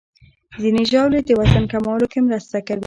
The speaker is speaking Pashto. ځینې ژاولې د وزن کمولو کې مرسته کوي.